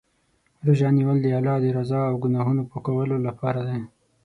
روژه نیول د الله د رضا او ګناهونو د پاکولو لپاره دی.